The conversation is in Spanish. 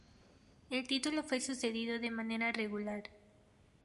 El título fue sucedido de manera regular.